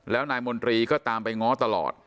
แล้วนายมนตรีก็ตามไปง้อตลอด